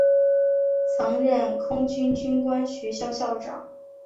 曾任空军军官学校校长。